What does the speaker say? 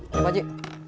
nasi pak ji